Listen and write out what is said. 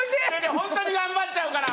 ホントに頑張っちゃうから。